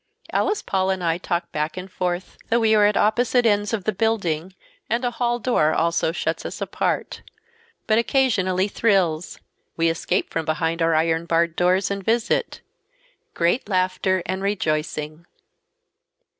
Alice Paul and I talk back and forth though we are at opposite ends of the building and, a hall door also shuts us apart. But occasionally—thrills—we escape from behind our iron barred doors and visit. Great laughter and rejoicing!"